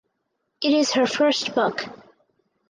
It is her first book.